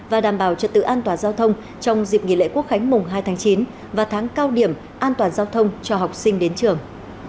và đảm bảo trật tự an toàn giao thông trong dịp nghỉ lễ quốc khánh mùng hai tháng chín và tháng cao điểm an toàn giao thông cho học sinh đến trường